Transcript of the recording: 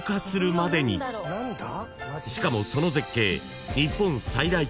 ［しかもその絶景］